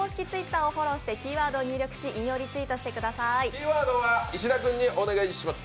キーワードは石田君にお願いします。